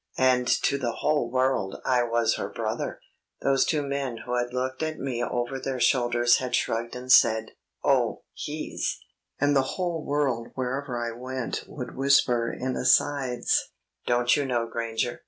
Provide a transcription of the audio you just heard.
And to the whole world I was her brother! Those two men who had looked at me over their shoulders had shrugged and said, "Oh, he's ..." And the whole world wherever I went would whisper in asides, "Don't you know Granger?